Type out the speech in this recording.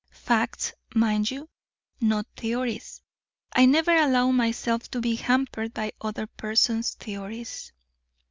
Facts, mind you; not theories. I never allow myself to be hampered by other persons' theories."